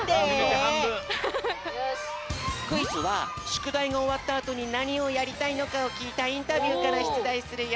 クイズは「しゅくだいがおわったあとになにをやりたいのか？」をきいたインタビューからしゅつだいするよ。